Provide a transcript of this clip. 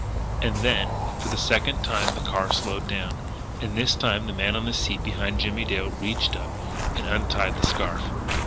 And then for the second time the car slowed down and this time the man on the seat beside Jimmie Dale reached up and untied the scarf.